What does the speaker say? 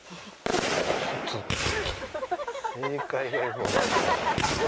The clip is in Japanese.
ちょっと正解がよく分かんないんですけど。